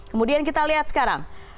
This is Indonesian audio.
kemudian kita lihat sekarang